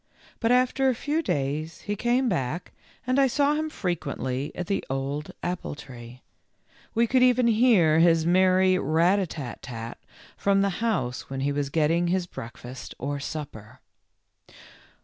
But after a few days he came back and I saw him frequently at the old apple tree ; we could even hear his merry rat a tat tat from the house when he was getting his breakfast or supper.